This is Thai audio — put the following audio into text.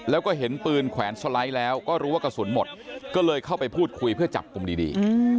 แล้วก็เห็นปืนแขวนสไลด์แล้วก็รู้ว่ากระสุนหมดก็เลยเข้าไปพูดคุยเพื่อจับกลุ่มดี